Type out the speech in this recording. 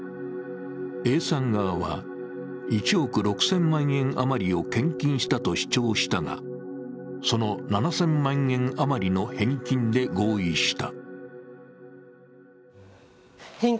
Ａさん側は、１億６０００円あまりを献金したと主張したが、その７０００万円余りの返金で合意した。